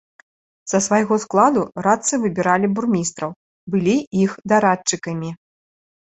Са свайго складу радцы выбіралі бурмістраў, былі іх дарадчыкамі.